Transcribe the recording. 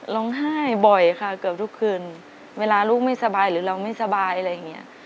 ร้องไห้บ่อยค่ะเกือบทุกคืนเวลาลูกไม่สบายหรือเราไม่สบายอะไรอย่างนี้